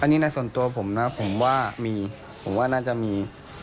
อันนี้ในส่วนตัวผมนะผมว่ามีผมว่าน่าจะมี